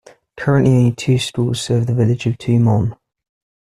Currently only two schools serve the village of Tumon.